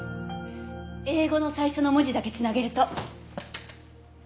英語の最初の文字だけ繋げると。